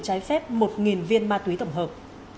trái phép một viên ma túy tổng hợp